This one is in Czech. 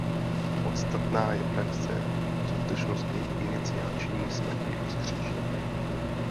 Podstatná je praxe zkušenosti iniciační smrti a vzkříšení.